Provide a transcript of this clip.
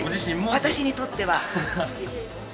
私にとっては。